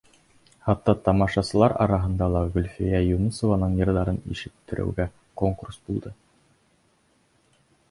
Хатта тамашасылар араһында ла Гөлфиә Юнысованың йырҙарын ишеттереүгә конкурс булды.